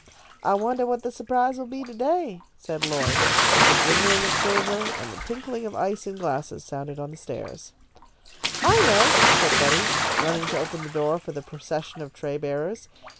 "I wonder what the surprise will be to day," said Lloyd, as the jingling of silver and tinkling of ice in glasses sounded on the stairs. "I know," said Betty, running to open the door for the procession of tray bearers.